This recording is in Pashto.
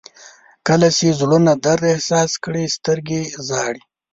• کله چې زړونه درد احساس کړي، سترګې ژاړي.